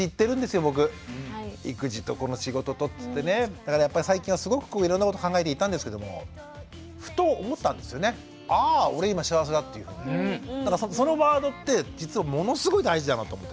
だからやっぱり最近はすごくいろんなこと考えていたんですけどもそのワードって実はものすごい大事だなと思って。